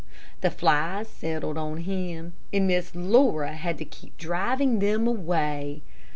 The flies settled on him, and Miss Laura had to keep driving them away.